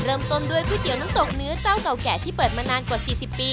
เริ่มต้นด้วยก๋วยเตี๋ยวน้ำตกเนื้อเจ้าเก่าแก่ที่เปิดมานานกว่า๔๐ปี